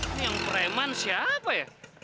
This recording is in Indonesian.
ini yang preman siapa ya